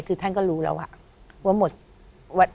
คือท่านก็รู้แล้วว่าหมด